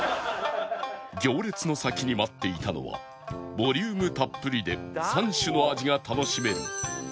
行列の先に待っていたのはボリュームたっぷりで３種の味が楽しめる